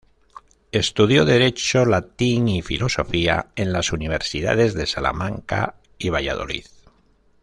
Estudió Derecho, Latín y Filosofía en las universidades de Salamanca y Valladolid.